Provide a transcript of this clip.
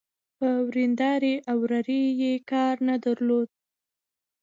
په وريندارې او ورېرې يې کار نه درلود.